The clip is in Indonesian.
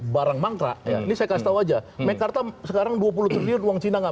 barang mangkrak yang bisa kasih tahu aja mereka tersebut sekarang dua puluh triliun uang cina enggak